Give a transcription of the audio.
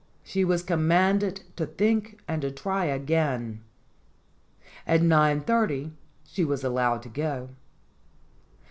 She was commanded to think and to try again. At 9.30 she was allowed to go.